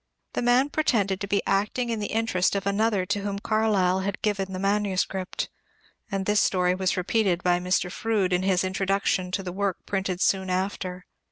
The man pretended to be acting in the interest of another to whom Carlyle had given the manuscript ; and this story was repeated by Mr. Froude in his Introduction to the work printed soon after.